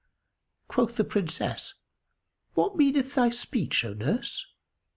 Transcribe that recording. Quoth the Princess, "What meaneth thy speech, O nurse?"